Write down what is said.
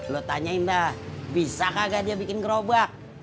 lo tanyain dah bisa kagak dia bikin gerobak